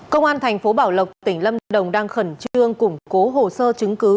công an thành phố bảo lộc tỉnh lâm đồng đang khẩn trương củng cố hồ sơ chứng cứ